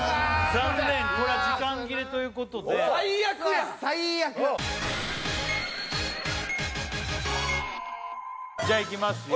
残念これは時間切れということで最悪やんクッソ最悪じゃあいきますよ